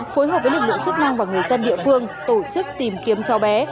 phối hợp với lực lượng chức năng và người dân địa phương tổ chức tìm kiếm cháu bé